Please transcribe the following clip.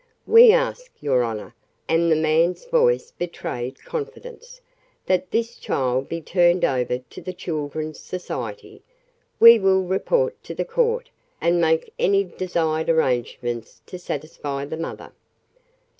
"We ask, your honor," and the man's voice betrayed confidence, "that this child be turned over to the Children's Society. We will report to the court, and make any desired arrangements to satisfy the mother."